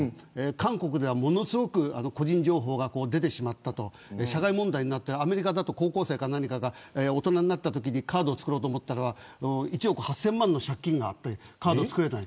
韓国では個人情報が出てしまったと社会問題になってアメリカだと高校生が大人になってカードを作ろうと思ったら１億８０００万円の借金があってカードが作れない。